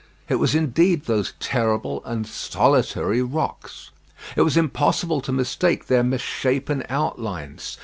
It was indeed those terrible and solitary rocks. It was impossible to mistake their misshapen outlines.